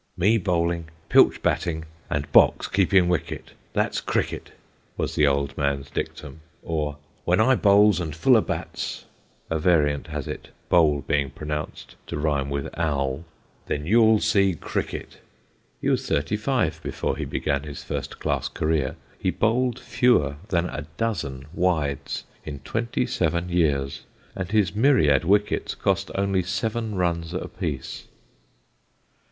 "Me bowling, Pilch batting, and Box keeping wicket that's cricket," was the old man's dictum; or "When I bowls and Fuller bats," a variant has it, bowl being pronounced to rhyme with owl, "then you'll see cricket." He was thirty five before he began his first class career, he bowled fewer than a dozen wides in twenty seven years, and his myriad wickets cost only seven runs a piece.